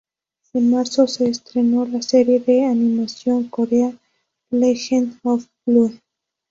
En marzo se estrenó la serie de animación coreana "Legend of Blue".